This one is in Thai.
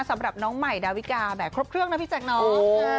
สำหรับน้องใหม่ดาวิกาแบบครบเครื่องนะพี่แจ๊คเนาะ